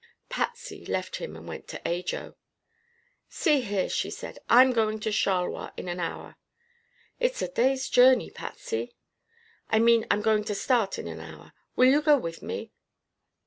Patsy left him and went to Ajo. "See here," she said; "I'm going to Charleroi in an hour." "It's a day's journey, Patsy." "I mean I'm going to start in an hour. Will you go with me?"